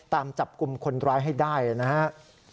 ตามจับกลุ่มคนร้ายให้ได้นะครับ